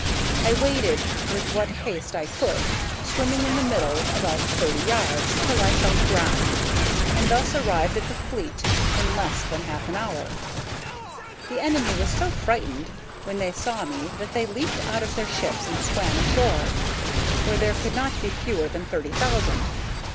I waded with what haste I could, swimming in the middle about thirty yards, till I felt ground, and thus arrived at the fleet in less than half an hour. The enemy was so frightened when they saw me that they leaped out of their ships and swam ashore, where there could not be fewer than thirty thousand.